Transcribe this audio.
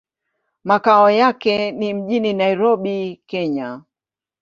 Makao yake ni mjini Nairobi, Kenya.